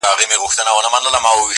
یو پاچاوو د فقیر پر لور مین سو!